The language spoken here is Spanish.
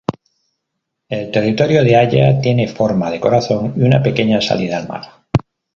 El territorio de Aya tiene forma de corazón y una pequeña salida al mar.